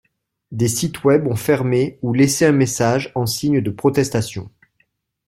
Des sites Web ont fermé ou laissé un message en signe de protestation.